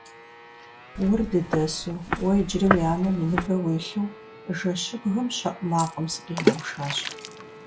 Ур дыдэсу, уэ иджыри уи анэ и ныбэ уилъу, жэщыбгым щэӀу макъым сыкъигъэушащ.